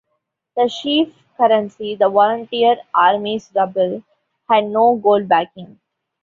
The chief currency, the Volunteer Army's ruble, had no gold backing.